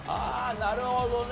なるほどね。